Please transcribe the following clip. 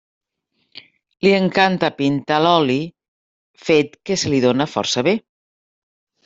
Li encanta pintar a l'oli, fet que se li dóna força bé.